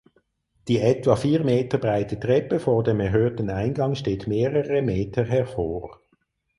Die etwa vier Meter breite Treppe vor dem erhöhten Eingang steht mehrere Meter hervor.